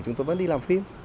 chúng tôi vẫn đi làm phim